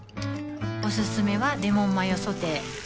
おすすめはレモンマヨソテー